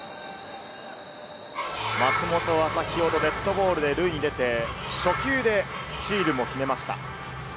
松本は先ほどデッドボールで塁に出て、初球でスチールも決めました。